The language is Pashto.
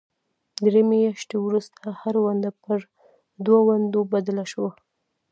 درې میاشتې وروسته هره ونډه پر دوو ونډو بدله شوه.